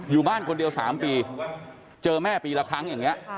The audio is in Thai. อยู่บ้านคนเดียว๓ปีเจอแม่ปีแหละครั้ง